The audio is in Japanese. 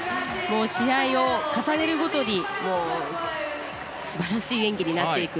試合を重ねるごとに素晴らしい演技になっていく。